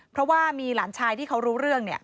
เพราะว่ามีหลานชายที่เขารู้เรื่องเนี่ย